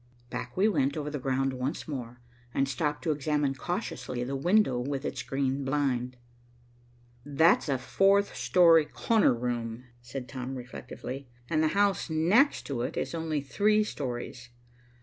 Back we went over the ground once more, and stopped to examine cautiously the window with its green blind. "That's a fourth story corner room," said Tom reflectively, "and the house next to it is only three stories.